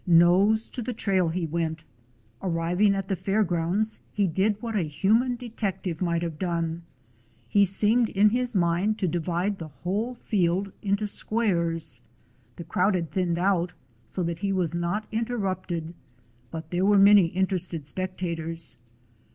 Nose to the trail he went. Arriving at the fair grounds he did what a human detective might have done. He seemed in his mind to divide the whole field into squares. The crowd had thinned out so that he was not interrupted, but there were many interested spectators.